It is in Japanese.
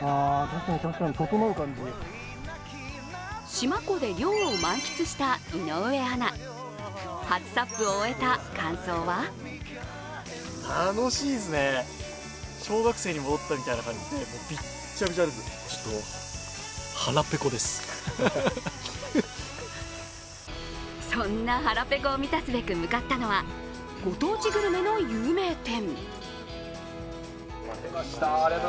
四万湖で涼を満喫した井上アナ、初ＳＵＰを終えた感想はそんな腹ぺこを満たすべく向かったのはご当地グルメの有名店。